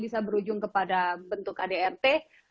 bisa berujung kepada bentuk kdrt